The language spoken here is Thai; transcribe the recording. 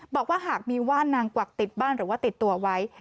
บอกว่าหากมีว่านนางกวักติดบ้านหรือว่าติดตัวไว้